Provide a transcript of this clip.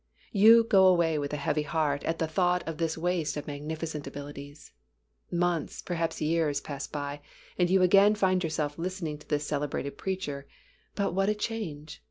You go away with a heavy heart at the thought of this waste of magnificent abilities. Months, perhaps years, pass by and you again find yourself listening to this celebrated preacher, but what a change!